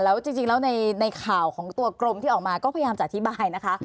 แล้วจริงแล้วในข่าวของตัวกรมที่ออกมาก็พยายามจะอธิบายนะคะ